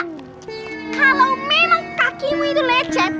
kalau memang kakimu itu lecet